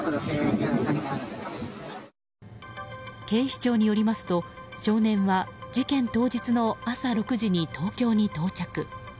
警視庁によりますと少年は事件当日の朝６時に東京に到着。